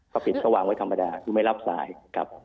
ก็ปิดก็วางไว้ธรรมดาคือไม่รับสายครับ